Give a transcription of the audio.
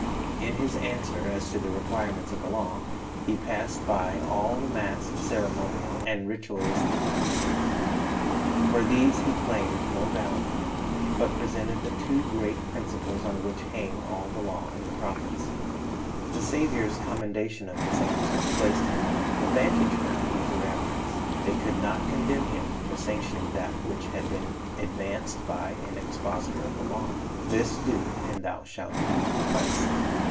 In his answer as to the requirements of the law, he passed by all the mass of ceremonial and ritualistic precepts. For these he claimed no value, but presented the two great principles on which hang all the law and the prophets. The Saviour's commendation of this answer placed Him on vantage ground with the rabbis. They could not condemn Him for sanctioning that which had been advanced by an expositor of the law. "This do, and thou shalt live," Christ said.